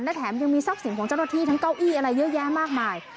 และแถมยังมีทรัพย์สินของเจ้าหน้าที่ทั้งเก้าอี้อะไรเยอะแยะมากมาย